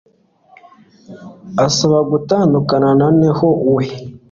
asaba gutandukana noneho we